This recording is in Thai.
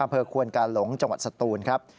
ควนกาหลงจังหวัดสตูนครับ